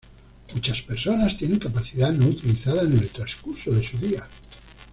Muchas personas tienen capacidad no utilizada en el transcurso de su día.